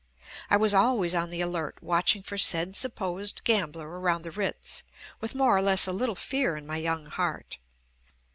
I was always on the alert watching for said supposed gambler around the Ritz, with more or less a little fear in my young heart.